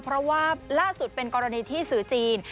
เพราะว่าล่าสุดเป็นกรณีที่สื่อจีน